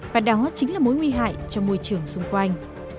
và đó chính là mối nguy hại cho môi trường xung quanh